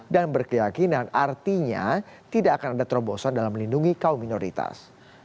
dan berkeyakinan artinya tidak akan ada terobosan dalam melindungi kaum minoritas